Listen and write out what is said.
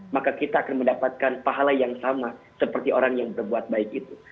maka kita akan mendapatkan pahala yang sama seperti orang yang berbuat baik itu